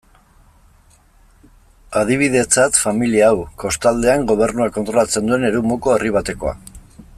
Adibidetzat, familia hau, kostaldean gobernuak kontrolatzen duen eremuko herri batekoa.